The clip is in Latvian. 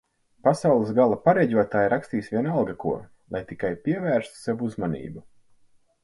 Pasaules gala pareģotāji rakstīs vienalga ko, lai tikai pievērstu sev uzmanību